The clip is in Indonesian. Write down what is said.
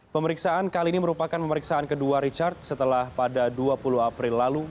pemeriksaan kali ini merupakan pemeriksaan kedua richard setelah pada dua puluh april lalu